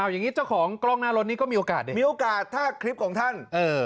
อย่างนี้เจ้าของกล้องหน้ารถนี้ก็มีโอกาสดีมีโอกาสถ้าคลิปของท่าน